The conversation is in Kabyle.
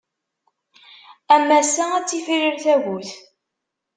Am ass-a, ad tifrir tagut.